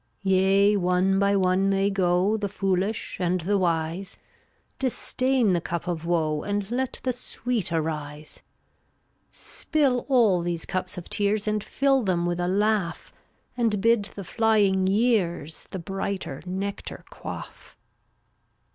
362 Yea, one by one they go, The foolish and the wise; Disdain the cup of woe And let the sweet arise. Spill all these cups of tears And fill them with a laugh, And bid the flying years The brighter nectar quarT.